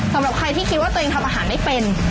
สำหรับใครที่คิดว่าตัวเองทำอาหารไม่เป็น